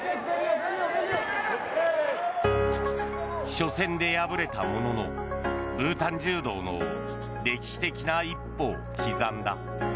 初戦で敗れたもののブータン柔道の歴史的な一歩を刻んだ。